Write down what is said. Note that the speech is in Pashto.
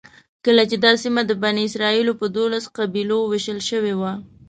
کله چې دا سیمه د بني اسرایلو په دولسو قبیلو وېشل شوې وه.